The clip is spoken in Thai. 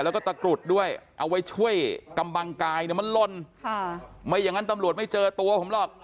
แล้วก็ตะกรุดด้วยเอาไว้ช่วยกำบังกายเนี่ยมันลนค่ะไม่อย่างนั้นตำรวจไม่เจอตัวผมหรอก